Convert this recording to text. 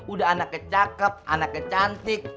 udah anaknya cakep anaknya cantik